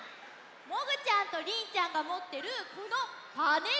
もぐちゃんとりんちゃんがもってるこのパネル！